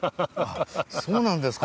そうなんですか。